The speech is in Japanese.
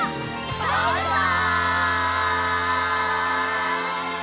バイバイ！